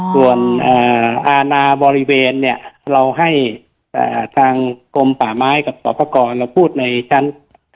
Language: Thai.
ส่วนอาณาบริเวณเนี้ยเราให้คลังกมป่าไม้กับปรับคอ